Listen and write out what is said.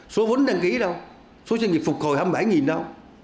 số vốn đăng ký đâu số doanh nghiệp phục hồi hai mươi bảy đâu